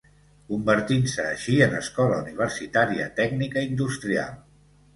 Convertint-se així en Escola Universitària Tècnica Industrial.